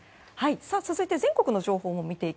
続いて、全国の情報です。